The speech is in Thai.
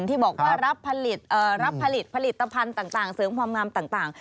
ที่บอกว่ารับผลิตผลิตภัณฑ์ต่างเสริมความงามต่าง